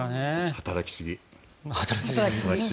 働きすぎ。